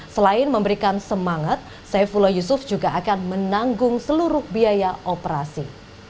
selain memberikan semangat saifullah yusuf juga akan menanggung seluruh biaya operasi